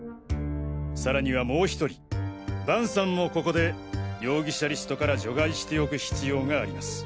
さらにはもう１人伴さんもここで容疑者リストから除外しておく必要があります。